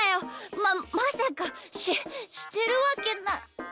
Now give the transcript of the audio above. ままさかししてるわけなないでしょっ。